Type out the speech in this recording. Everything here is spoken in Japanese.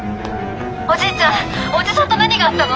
おじいちゃんおじさんと何があったの？